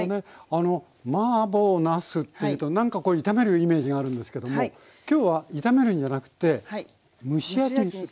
あのマーボーなすっていうとなんかこう炒めるイメージがあるんですけども今日は炒めるんじゃなくて蒸し焼きに。